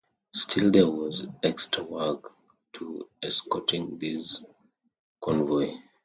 Still there was extra work to escorting this convoy.